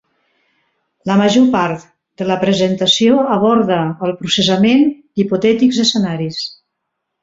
La major part de la presentació aborda el processament d'hipotètics escenaris.